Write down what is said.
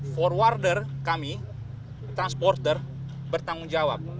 forwarder kami transporter bertanggung jawab